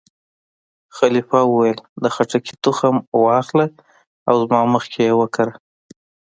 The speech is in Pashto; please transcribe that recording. خلیفه وویل: د خټکي تخم وا اخله او زما مخکې یې وکره.